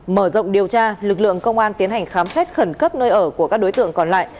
mở rộng điều tra lực lượng công an tiến hành khám xét khẩn cấp nơi ở của các đối tượng còn lại